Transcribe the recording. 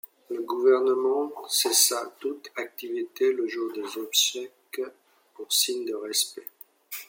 Le gouvernement cessa toute activité le jour des obsèques, en signe de respect.